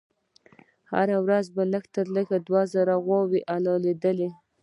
هر ورځ به لږ تر لږه دوه زره غوایي حلالېدل.